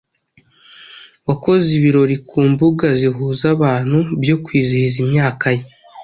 wakoze ibirori ku mbuga zihuza abantu byo kwizihiza imyaka ye